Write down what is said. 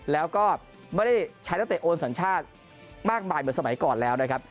แล้วก็ไม่ได้ใช้นักเตะโอนสัญชาติมากมายเหมือนสมัยก่อนแล้วนะครับ